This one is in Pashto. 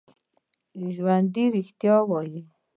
ژوندي رښتیا وايي